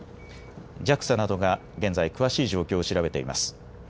ＪＡＸＡなどが現在詳しい状況を調べています。